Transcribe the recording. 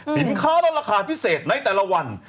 สินค้าและราคาพิเศษในแต่ละวัน